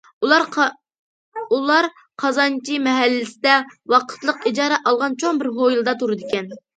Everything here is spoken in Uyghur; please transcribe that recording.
ئۇلار قازانچى مەھەللىسىدە ۋاقىتلىق ئىجارە ئالغان چوڭ بىر ھويلىدا تۇرىدىكەن.